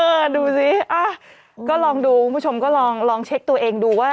ดูสิอ่ะก็ลองดูคุณผู้ชมก็ลองเช็คตัวเองดูว่า